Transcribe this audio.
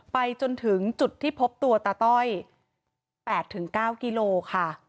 ไปจนถึงจุดที่พบตัวตะต้อยแปดถึงเก้ากิโลค่ะ